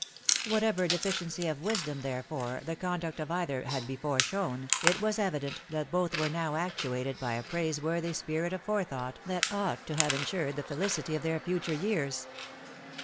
Whatever deficiency of wisdom, therefore, the ccaidnct4f either had before shown, it was evident that both wexe now actuated by a praiseworthy Bpirit of forethought that ought t» have insured the felicity of their future years.